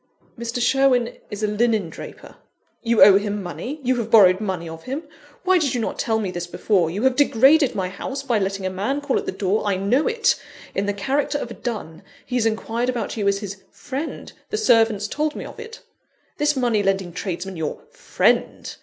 "Mr. Sherwin is a linen draper " "You owe him money? you have borrowed money of him? Why did you not tell me this before? You have degraded my house by letting a man call at the door I know it! in the character of a dun. He has inquired about you as his 'friend,' the servants told me of it. This money lending tradesman, your _'friend!